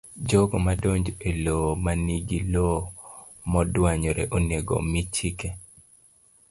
jogo madonjo e lowo ma nigi lowo modwanyore onego omi chike